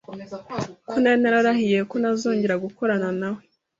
Ko nari nararahiye ko ntazongera gukorana nawe